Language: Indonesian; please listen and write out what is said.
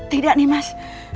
tidak nih mas